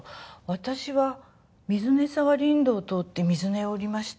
私は水根沢林道を通って水根へ下りました。